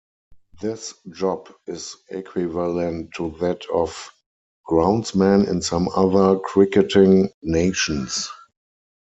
This job is equivalent to that of groundsman in some other cricketing nations.